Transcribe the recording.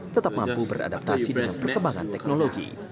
tetap mampu beradaptasi dengan perkembangan teknologi